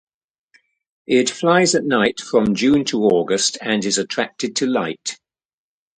It flies at night from June to August and is attracted to light.